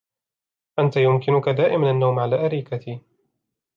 أنتَ يمكنكَ دائماً النوم على أريكتي.